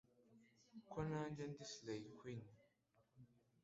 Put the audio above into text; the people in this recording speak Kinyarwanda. ko nanjye ndi Slay Queen;